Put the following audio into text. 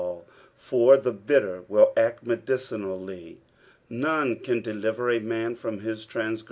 l, for the bitter will act medicinHlly. Kone can deliver a man from his tranngre!